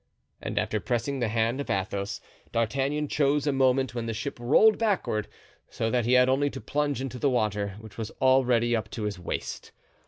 And after pressing the hand of Athos, D'Artagnan chose a moment when the ship rolled backward, so that he had only to plunge into the water, which was already up to his waist.